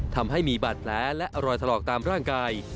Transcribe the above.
ทำให้มีบาดแผลและรอยถลอกตามร่างกาย